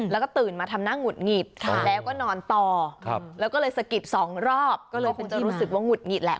แล้วก็ตื่นมาทำหน้าหงุดหงิดแล้วก็นอนต่อแล้วก็เลยสะกิดสองรอบก็เลยเป็นที่รู้สึกว่าหุดหงิดแหละ